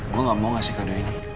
gue nggak mau kasih kado ini